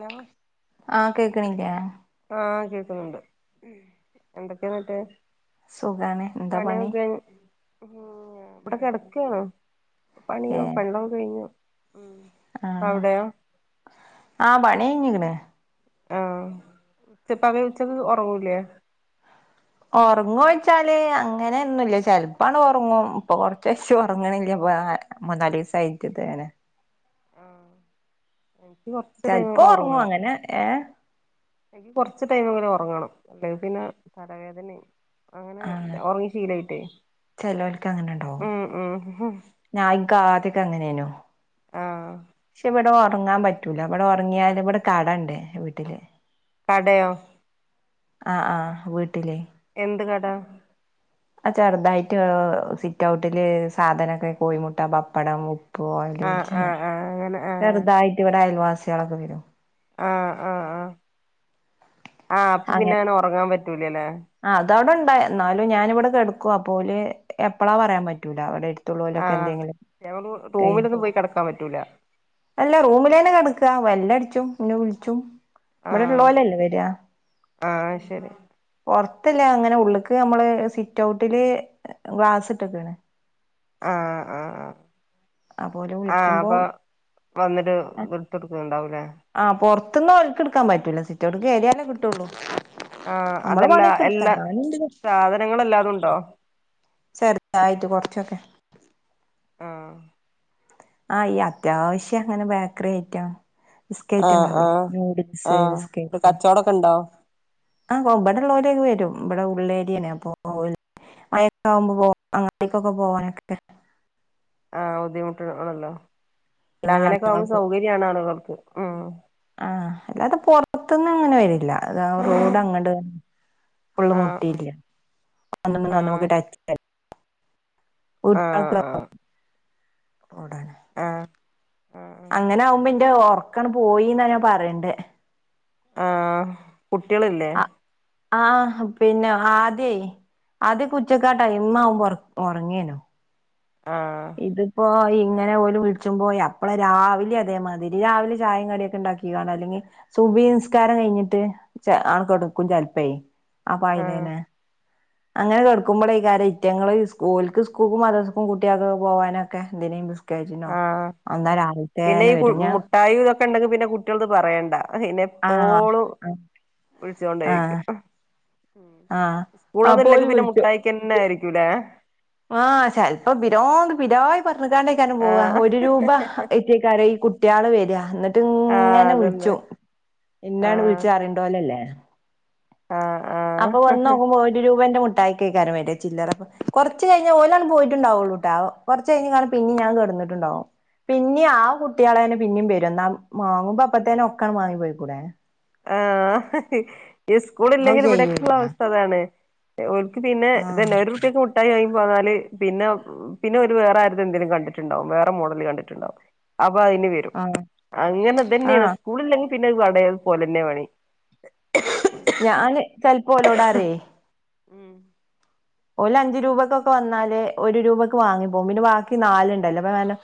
Hello കേൾക്ക്ണില്ലാ ആഹ് കേൾക്കുന്നുണ്ട്, എന്തൊക്കെയന്നിട്ട്. സുഖാണ്. എന്താ പണി ഉം ഇവിടെ കിടക്കണോ? പണിയോ ഏഹ് [unintelligible] കഴിഞ്ഞോ ഹ്മ്മ് ഇപ്പൊവിടെയാ ണികഴിഞ്ഞിക്ക്ണ് ആഹ ഉച്ചപ്പവി ഉച്ചക്ക് ഒറങ്ങൂല്ലേ? ഒറങ്ങോച്ചാല് അങ്ങനെന്നുല്ല. ചെലപ്പാണ്ട് ഒറങ്ങും. ഇപ്പൊ കൊറച്ചച്ചും ഒറങ്ങണങ്കില്, മുന്നാലിസായിട്ട് ഇതാണ്. ആഹ് എനിക്ക് കുറച്ച് ചെലപ്പോ ടൈമെങ്കിലും ഒറങ്ങും ഉറങ്ങണം അങ്ങനെ, ഏഹ് എനിക്ക് കൊറച്ച് ടൈമെങ്കിലും ഉറങ്ങണം. അല്ലെകിൽ പിന്നെ തലവേദനെ അങ്ങനെ ആണ് ഒറങ്ങി ശീലയ്ട്ടേ, ഹ്മ്മ് ഇഹ് ഞ, ഇന്ക്കാധ്യെക്കെ അങ്ങനെനു ആഹ് [inaudible] ശെ ഇവടെ ഒ ഒറങ്ങാൻ പറ്റൂല. ഇവിടെ ഒറങ്ങിയാലും ഇവിടെ കടണ്ട് വീട്ടില് കടയോ? ആ ആഹ് വീട്ടില്. എന്ത് കട അ ചെറുതായിട്ട് സിറ്റ് ഔട്ടില് സാധനൊക്കെ കോഴിമുട്ട വപ്പടം ഉ ഓയല് ആഹ് വെളിച്ചെണ്ണ ആഹ് ആഹ് അങ്ങനെ ആഹ് ചെർതായിട്ട് ഇവടെ അയൽവാസ ഇച്ചിയാളൊക്കെ വരും ആ ആ ആ ആ അപ്പൊ പിന്നെ അങ്ങനെ ഒറങ്ങാൻ പറ്റൂലല്ലേ അവടൊണ്ടാ ന്നാലും ഞാനിവെടെ കെടക്കുവാ അപ്പോ ഓല് എപ്പളാ പറയാൻ പറ്റൂല ഓല് മറ്റുളോലൊക്കെ ആഹ് എന്തെങ്കിലും ഞമ്മള് കൈ റൂമിലൊന്നും പോയി കിടക്കാൻ പറ്റൂല അല്ലാ റൂമില് ന്നെ കെടക് ല്ല വെല്ലടിച്ചും ന്നെവിളിച്ചും വ്ടെ ള്ളോലല്ലേ വെരാ ആ ശരി പൊറത്തില്ല അങ്ങനെ ഉള്ള്ക്ക് മ്മള് സിറ്റൗട്ടില് ഗ്ലാസ് ഇട്ട്ക്ക്ണ് ആ ആ അപ്പോ ഓല് ആ വിളിക്കുമ്പോ അപ്പൊ വന്നിട്ട് എടുത്ത് കൊടുക്കുന്നുണ്ടാവൂലേ ആ പൊർത്ത്ന്ന് ഓൽക്കെടുക്കാൻ പറ്റൂല്ല സിറ്റോട്ട്ക്ക്യറിയാലേ കിട്ടുള്ളൂ ആ നമ്മളെ അതല്ലാ പണിയൊക്കെ എടുക്കാ എല്ലാ ഞാനുണ്ട് സാധനങ്ങളല്ലാതുണ്ടോ ചെർതായിട്ട് കൊറച്ചൊക്കെ ആ ആ ഈ അത്യാവശ്യം ഇങ്ങനെ ബേക്കറി ഐറ്റം ആ ബിസ്ക്കറ്റ് ആ ഉണ്ടാവൂലേ ആ നൂഡിൽസ് ഒരു കച്ചോടൊക്കെ ഉണ്ടോ ആ ഇബടെള്ളോരൊക്കെവരും ഇ ബടെഉള്ളേര്യാണ് അപ്പം ഓൽക്ക് [unintelligible] അങ്ങാട്ടേക്കൊക്കെ പോവാനൊക്കെ ആ ബുദ്ധിമുട്ട് ആണല്ലോ അല്ല പിന്നെ അങ്ങനൊക്കെ ആകുമ്പോ സൗകര്യാണ് ആളുകൾക്ക് ഉം ആ അല്ലാതെ പൊറത്ത്ന്ന് അങ്ങനെ വരില്ല അതാ റോഡ് അങ്ങ്ട് ഫുള്ള് ആഹ് മുട്ടിയില്ല ആഹ് [unintelligible] ആഹ് ആഹ് [unintelligible] ഒടനെ ആഹ് ആഹ് അങ്ങനെ ആകുമ്പോന് എന്റെ ഒറക്കണ് പോയിന്നാ ഞാൻ പറയണ്ടേ ആ കുട്ട്യള്ല്ലേ ആഹ് പിന്നെ ആദ്യേ ആദ്യക്കെ ഉച്ചക്കാ ടൈമാവുമ്പോ ഒറങ്ങൃനു ആഹ് ഇതിപ്പോ ഐ ഇങ്ങനെ ഓല് വിളിച്ചും ബോയ് അപ്പളെ രാവിലെ അതേമാതിരി രാവിലെ ചായേം കടിയൊക്കെ ഇണ്ടാക്കിതാണ് അല്ലെങ്കിൽ സുബഹി നിസ്കാരം കഴിഞ്ഞിട്ട് ആണ് ക്കെട്ക്കും ചിലപ്പേ ആഹ് ആപ്പായിനേനെ അങ്ങനെ കെടക്കുമ്പളയ്ക്കാരം ഇറ്റങ്ങള് സ് ഓൽക്ക് സ്കൂൾക്കും മദ്രസക്കും കുട്ട്യാക്കൊക്കെ പോവാനൊക്കെ എന്തിനെ- രിനൊ ആഹ് അന്നാരം [unintelligible] വരും ഞാ ണ്ടെങ്കി പിന്നെ കുട്ടിയോൾത് പറയണ്ട അതെന്നെ ആഹ് എപ്പോളും വിളിച്ചോണ്ടേരിക്കും ആഹ് ആഹ് സ്കൂളൊന്നും അപ്പൊ ഓല് ഇല്ലെങ്കിപിന്നെ വിളിച്ചു മുട്ടായിക്കന്നെ ആരിക്കും. [unintelligible] ആഹ് ചെൽപ്പം ബിരാന്ത് ബിരായ് പറ- കണ്ടക്കാനും പോവാ ആഹ് ഒരു രൂപ ഏറ്റിക്കാരോ ഈ കുട്ട്യാള് വര- [unintelligible] ആഹ് അതന്നെ ആഹ് [unintelligible] ആഹ് ആഹ് അപ്പൊ വന്ന് നോക്കുമ്പൊ ഒരു രൂപേന്റെ മുട്ട- ട്ടയ്ക്കയ്ക്കാരം വര ചില്ലറ കുറ- കുറച്ച് കഴിഞ്ഞ ഓലങ്ങട്ട് പോയിട്ടുണ്ടാവുള്ളൂട്ടാ കുറച്ചഴിഞ്ഞ കാണ പിന്നെ ഞാൻ കിടന്നട്ടുണ്ടാവും പിന്നെ ആ കുട്ട്യാളന്നെ പിന്നേം വരും എന്നാ വാങ്ങുമ്പോ അപ്പത്തേന്നെ ഒക്കണ് വാങ്ങി പോയ്ക്കൂടെ ആഹ് ഇസ്കൂൾ അത് ഇല്ലെങ്കിൽ ഇവിടെക്കുള്ള ചെയ്യൂല്ല അവസ്ഥ അതാണ് ഓൽക്ക് പിന്നെ ആഹ് ഇതന്നെ ഒരു റുപ്പിക്ക് മുട്ടായി വാങ്ങി- പറഞ്ഞാല് പിന്നെ പിന്നെ ഓല് വേറെ ആര്ടെ എന്തേലും കണ്ടിട്ടുണ്ടാവും വേറെ മോഡല് കണ്ടിട്ടുണ്ടാവും പിന്നെ അയ്ന് വരും ആഹ് അങ്ങനെതന്നെയാണ് ആഹ് സ്കൂളങ്കി പിന്നെ ഒരു വടയും പോലെന്നെയപണി ഞാന് ചെല പോലോടാറേ ഉം ഓല് അഞ്ചുരൂപക്കൊക്കെ വന്നാല് ഒരു രൂപക്ക് വാങ്ങിപ്പോം പിന്നെ ബാക്കി നാലുണ്ടല്ലോ അപ്പ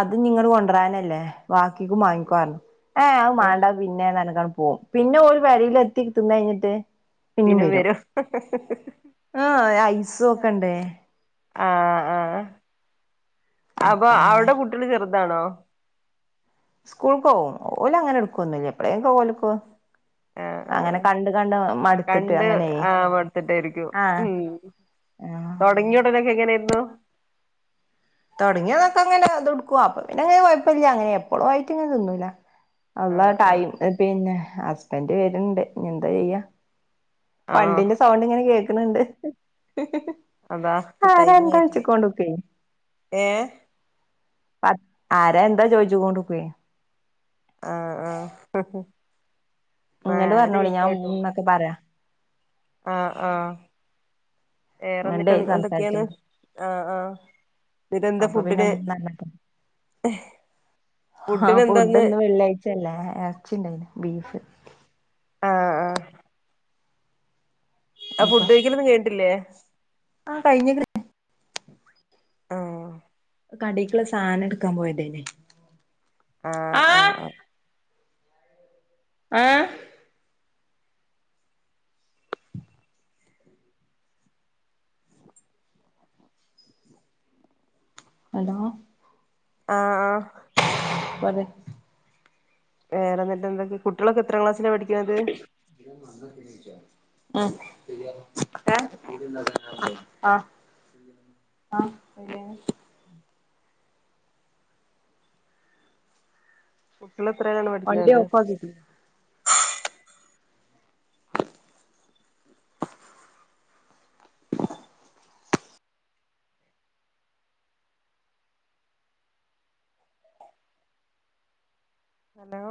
അതിനിങ്ങട്ട് കൊണ്ടിരാനല്ലേ ബാക്കിക്കും വാങ്ങിക്കോ പർഞ്ഞ് ഏ അത് ആ മാണ്ട പിന്നേ നർഞ്ങ്ങാണ്ട് പോം പിന്നെ ഓല് പെരീലെത്തി തിന്നയ്ഞ്ഞിട്ട് പിന്നിം വരും പൈസ ഒക്കണ്ടേ ആ ആ അപ്പ അപ്പൊ അങ്ങനെ അവിടെ കൂട്ട്യോള് ചെറുത- ർതാണോ സ്കൂൾക്ക് പോകും ഓലങ്ങനെ എടുക്കൊന്നില്ല എപ്പളെങ്കിലും ഓൽക്കും ആ ആ മടുത്തിട്ട് കണ്ട് അങ്ങനെ ആ മടുത്തിട്ടായിരിക്കും ആഹ് ഉം ആഹ് തുടങ്ങിയ ഉടനൊക്കെ എങ്ങനെ നു തുടങ്ങിയ നൊക്ക അങ്ങനെ അത്ടുക്കും അപ്പൊ പിന്നെ അങ്ങനെ കൊഴപ്പല്ല അങ്ങനെ എപ്പളും ആയിട്ട് ഇങ്ങെ തിന്നൂല അല്ലാ ആഹ് ആഹ് ടൈം പിന്നെ ഹസ്ബൻഡ് വരുണ്ട് എന്താ ചെയ്യാ ആണോ പണ്ടിന്റെ സൗണ്ട് ഇങ്ങനെ കേൾക്കണണ്ട് [unintelligible] അതാ ആരാ തൈമ എന്താ ആയിട്ട വെച്ചക്കോണ്ട്ക്കേ ഏ ആരാ എന്താ ചോയിച്ച് കൊണ്ട് നിക്കേ ആ ആ ഇങ്ങോട്ട് പറഞ്ഞോടി ഞാൻ ഉം ഇന്നൊക്കെ പറയാ ആ ആ അങ്ങട്ട സംസാരിച്ച ആഹ് എന്നിട്ട് എന്താ അപ്പൊ പിന്നെ ഫുഡിന് മൂന്ന ആ ഫുഡിന് ഫുഡ് എന്താന്ന് ഒന്നും വെള്ളിയാഴ്ചല്ലേ ഇറച്ചിണ്ടായി ബീഫ് ആഹ് ആഹ് ആ അപ്പൊ ഫുഡ് കഴിക്കുന്നോരൊന്നും കേട്ടില്ലേ ആ കഴിഞ്ഞേക്കണ് ആ കടേക്കുള്ള സാധനം എടുക്കാൻ പോയതേനേ ആ ആ ആ ആ ഹലോ ആ ആ പറ വേറെന്തിട്ട എന്തൊക്കെ കുട്ടികളൊക്കെ എത്രാം ക്ലാസി [unintelligible] ഉം ഏ ആ ഉം വണ്ടി ഓഫ് ആക്കീട്ടില്ല ഹലോ